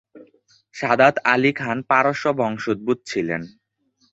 সাদাত আলি খান পারস্য বংশোদ্ভূত ছিলেন।